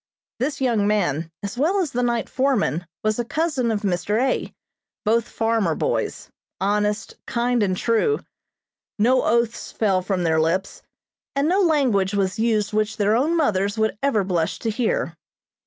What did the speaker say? This young man, as well as the night foreman, was a cousin of Mr. A., both farmer boys, honest, kind and true. No oaths fell from their lips, and no language was used which their own mothers would ever blush to hear.